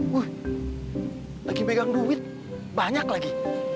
wuhh lagi megang duit banyak lagi